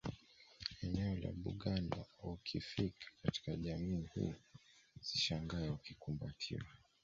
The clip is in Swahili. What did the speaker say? Eneo la Buganda ukifika katika jamii hii usishangae ukikumbatiwa